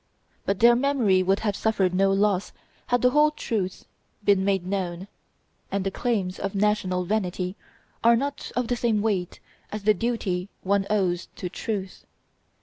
But their memory would have suffered no loss had the whole truth been made known; and the claims of national vanity are not of the same weight as the duty one owes to truth.